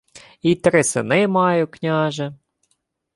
— Й три сини маю, княже...